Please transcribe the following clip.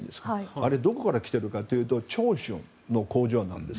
あれ、どこから来ているかというとチョウシュンの工場なんです。